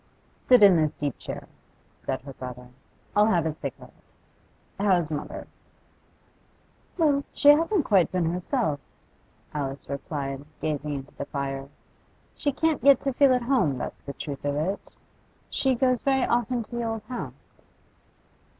'Sit in this deep chair,' said her brother. 'I'll have a cigarette. How's mother?' 'Well, she hasn't been quite herself,' Alice replied, gazing into the fire. 'She can't get to feel at home, that's the truth of it. She goes. very often to the old house.